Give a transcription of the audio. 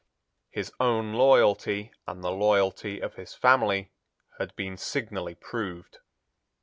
His own loyalty, and the loyalty of his family, had been signally proved.